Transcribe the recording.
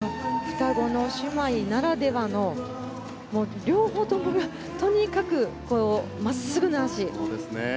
本当に双子の姉妹ならではの両方ともとにかく真っすぐな脚。